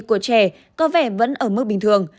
của trẻ có vẻ vẫn ở mức bình thường